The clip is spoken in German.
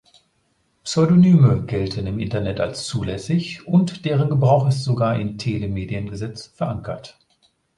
Pseudonyme gelten im Internet als zulässig und deren Gebrauch ist sogar in Telemediengesetz verankert.